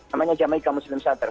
namanya jamaica muslim center